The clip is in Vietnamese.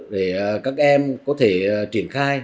để các em có thể triển khai